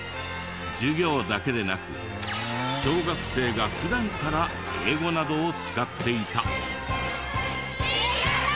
授業だけでなく小学生が普段から英語などを使っていた。